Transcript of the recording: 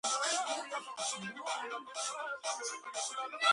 ტაძარში ერთადერთი შესასვლელი სამხრეთიდან არის, რომელიც კედლის დასავლეთ ნაწილშია გაჭრილი.